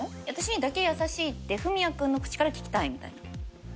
私にだけ優しいって文哉君の口から聞きたいみたいな。